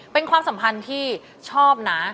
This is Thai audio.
เป็นความสัมพันธ์ที่ชอบนะ